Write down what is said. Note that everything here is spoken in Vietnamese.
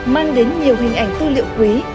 mang đến nhiều hình ảnh tư liệu quý